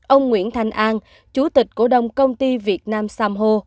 ông nguyễn thanh an chủ tịch cổ đồng công ty việt nam sam ho